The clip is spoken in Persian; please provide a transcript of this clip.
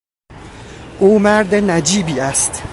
او مرد نجیبی است.